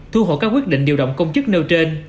thu hồi các quyết định điều động công chức nêu trên